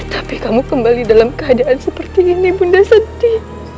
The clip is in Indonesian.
tapi kamu kembali dalam keadaan seperti ini bunda sedih